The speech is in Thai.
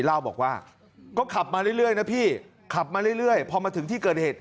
เล่าบอกว่าก็ขับมาเรื่อยนะพี่ขับมาเรื่อยพอมาถึงที่เกิดเหตุ